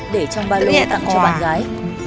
để trong ba lô tặng cho bạn gái